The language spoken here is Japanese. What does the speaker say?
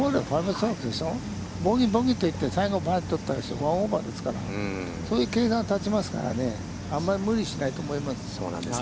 ボギー、ボギーと行って最後パー取ったりしても１オーバーですから、そういう計算が立ちますから、あんまり無理をしないと思います。